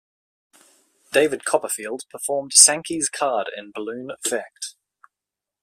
David Copperfield performed Sankey's card in balloon effect.